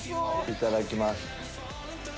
いただきます。